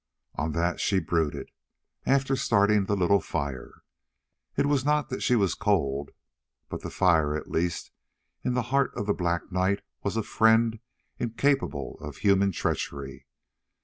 On that she brooded, after starting the little fire. It was not that she was cold, but the fire, at least, in the heart of the black night, was a friend incapable of human treachery.